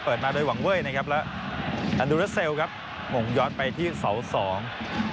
มาโดยหวังเว้ยนะครับแล้วอันดูลาเซลครับมงย้อนไปที่เสาสอง